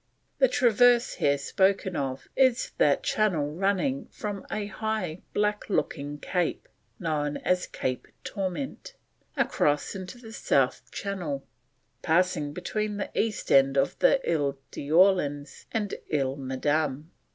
The Traverse here spoken of is that channel running from a high black looking cape, known as Cape Torment, across into the south channel, passing between the east end of the Ile d'Orleans and Ile Madame.